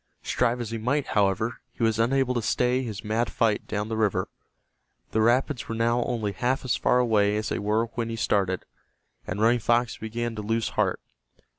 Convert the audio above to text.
Strive as he might, however, he was unable to stay his mad flight down the river. The rapids were now only half as far away as they were when he started, and Running Fox began to lose heart.